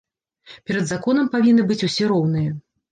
Перад законам павінны быць усе роўныя.